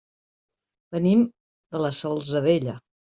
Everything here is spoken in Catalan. Venim de la Salzadella.